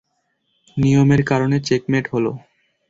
নিয়মের কারণে চেকমেট হলো।